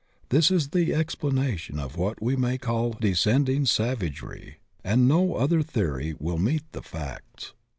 This is the explanation of what we may call descending savagery, and no other theory will meet the facts.